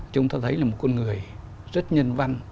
chúng ta thấy là một người rất nhân văn